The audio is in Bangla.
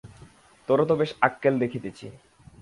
তোরও তো বেশ আক্কেল দেখিতেছি।